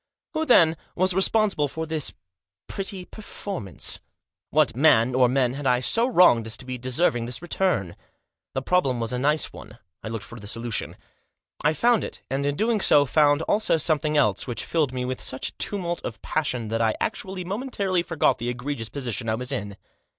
Who, then, was responsible for this pretty perform since t What man, or men, had I so wronged as to be deserving this return ? The problem was a nice one. I looked for the solution. I found it, and, in doing so, fotind also something else, which filled me with such a tumult of passion that I actually momentarily forgot the egregious position I was in.